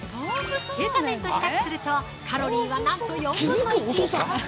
中華麺と比較するとカロリーは、なんと４分の１以下！